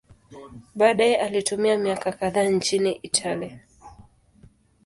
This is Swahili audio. Baadaye alitumia miaka kadhaa nchini Italia.